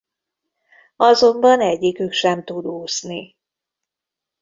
Azonban egyikük sem tud úszni.